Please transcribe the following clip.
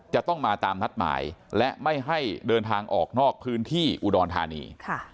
จะต้องมาตามนัดหมายและไม่ให้เดินทางออกนอกพื้นที่อุดรธานี